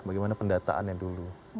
bagaimana pendataannya dulu